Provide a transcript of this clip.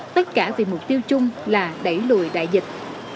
tất cả vì mục tiêu chung là đẩy lùi đại dịch